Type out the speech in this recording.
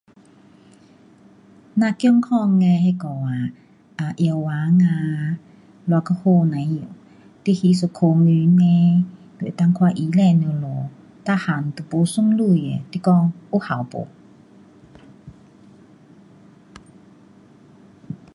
咱健康的那个啊，呃药房啊，多么好甭晓，你还一块银就能够看医生了，每样都没算钱的，你讲有效没？